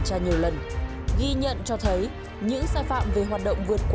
thứ hai nữa là có thể cái tâm lý mọi người bảo